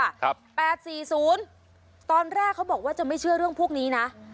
แปดสี่ศูนย์ตอนแรกเขาบอกว่าจะไม่เชื่อเรื่องพวกนี้นะ